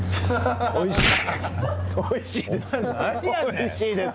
おいしいです。